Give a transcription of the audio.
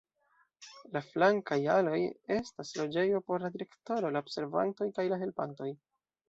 La flankaj aloj estas la loĝejo por la direktoro, la observantoj kaj la helpantoj.